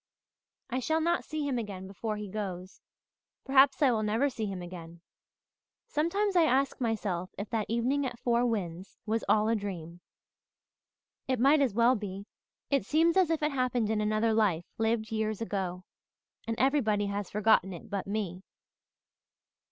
I shall not see him again before he goes perhaps I will never see him again. Sometimes I ask myself if that evening at Four Winds was all a dream. It might as well be it seems as if it happened in another life lived years ago and everybody has forgotten it but me.